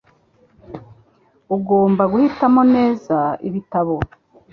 Ugomba guhitamo neza ibitabo.